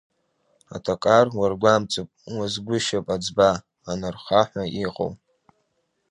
Аҭакар уаргәамҵып, уазгәышьып аӡба, анарха ҳәа иҟоу…